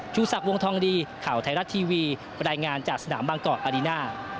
ชูศักดิ์วงทองดีข่าวไทยรัฐทีวีบรรยายงานจากสนามบางกอกอารีน่า